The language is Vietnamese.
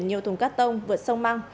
nhiều thùng cát tông vượt sông măng